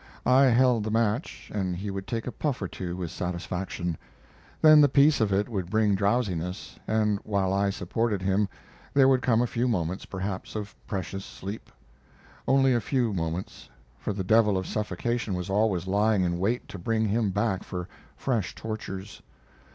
I held the match, and he would take a puff or two with satisfaction. Then the peace of it would bring drowsiness, and while I supported him there would come a few moments, perhaps, of precious sleep. Only a few moments, for the devil of suffocation was always lying in wait to bring him back for fresh tortures.